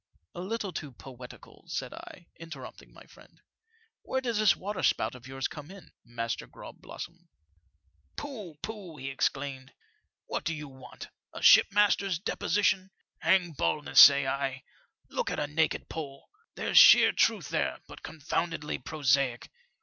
'^" A little too poetical," said I, interrupting my friend. " Where does this waterspout of yours come in. Master Grogblossom ?"" Pooh, pooh !" he exclaimed, *' what do you want ? A shipmaster's deposition? Hang baldness, say I. Look at a naked poll. There's sheer truth there, but confoundedly prosaic.